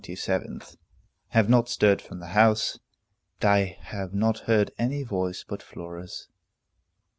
27th_. Have not stirred from the house. But I have not heard any voice but Flora's.